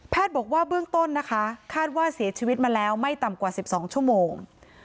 บอกว่าเบื้องต้นนะคะคาดว่าเสียชีวิตมาแล้วไม่ต่ำกว่า๑๒ชั่วโมง